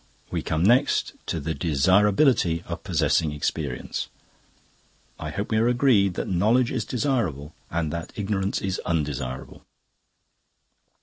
"We come next to the desirability of possessing experience. I hope we are agreed that knowledge is desirable and that ignorance is undesirable."